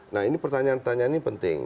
nah ini pertanyaan pertanyaan ini penting